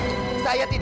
ayo jangan terbener